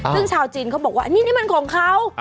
ซึ่งชาวจีนเขาบอกว่านี่นี่มันของเขา